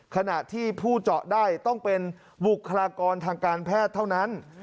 ขณะที่ผู้เจาะได้ต้องเป็นบุคลากรทางการแพทย์เท่านั้น